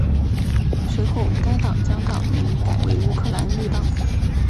随后该党将党名改为乌克兰绿党。